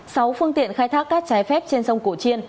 sáu phương tiện khai thác cát trái phép trên sông cổ chiên